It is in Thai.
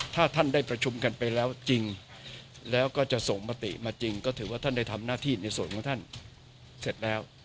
ถ้าท่านได้ประชุมกันไปแล้วจริงแล้วก็จะส่งมติมาจริงก็ถือว่าท่านได้ทำหน้าที่ในส่วนของท่านเสร็จแล้ว